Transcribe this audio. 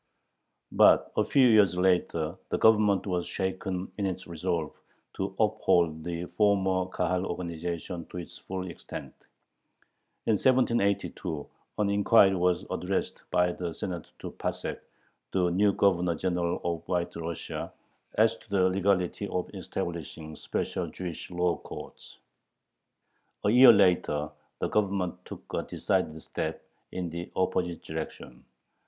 But a few years later the Government was shaken in its resolve to uphold the former Kahal organization to its full extent. In 1782 an inquiry was addressed by the Senate to Passek, the new Governor General of White Russia, as to the legality of establishing special Jewish law courts. A year later the Government took a decided step in the opposite direction.